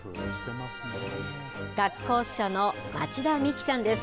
学校司書の町田美紀さんです。